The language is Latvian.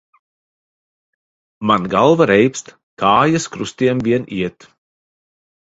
Man galva reibst, kājas krustiem vien iet.